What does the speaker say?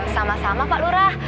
sama sama pak lurah